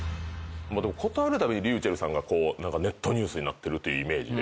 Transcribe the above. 事あるたびにｒｙｕｃｈｅｌｌさんがネットニュースになってるというイメージで。